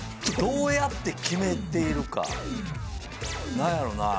何やろなあ。